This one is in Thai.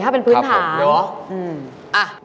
๖๔๕เป็นพื้นฐาน